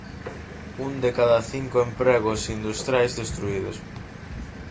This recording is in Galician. Un de cada cinco empregos industriais destruídos.